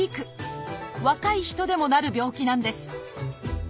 若い人でもなる病気なんです